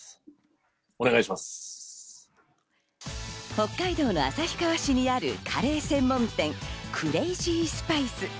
北海道の旭川市にあるカレー専門店クレイジースパイス。